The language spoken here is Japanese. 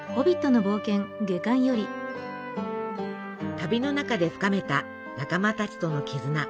旅の中で深めた仲間たちとの絆。